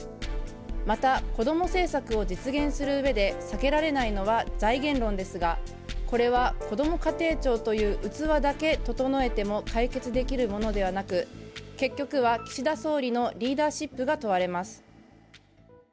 また、子ども政策を実現する上で避けられないのは財源論ですが、これはこども家庭庁という器だけ整えても解決できるものではなく結局は岸田総理のリーダーシップが問われます。